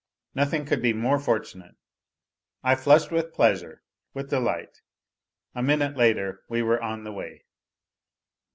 Nothing could be more fortunate ! I flushed with pleasure, with delight ; a minute later we were on the way.